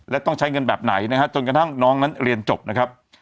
และต้องใช้เงินแบบไหนนะฮะจนกระทั่งน้องนั้นเรียนจบนะครับ